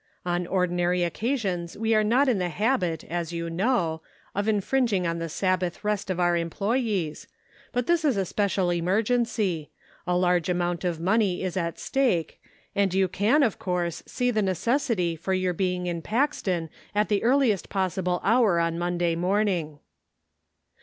On ordi nary occasions we are not in the habit, as you know, of infringing on the Sabbath rest of our employes, but this is a special emer gency ; a large amount of money is at stake, and you can, of course, see the necessity for your being in Paxton at the earliest possible hour on Monday morning."